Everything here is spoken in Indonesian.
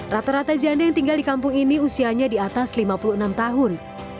rata rata janda yang tinggal di kampung ini usianya di atas lima puluh enam tahun